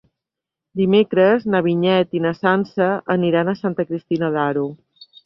Dimecres na Vinyet i na Sança aniran a Santa Cristina d'Aro.